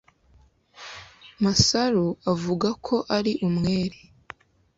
Masaru avuga ko ari umwere